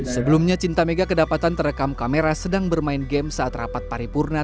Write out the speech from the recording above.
sebelumnya cinta mega kedapatan terekam kamera sedang bermain game saat rapat paripurna